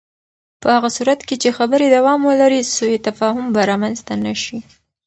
په هغه صورت کې چې خبرې دوام ولري، سوء تفاهم به رامنځته نه شي.